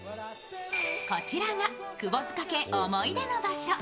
こちらが、窪塚家思い出の場所。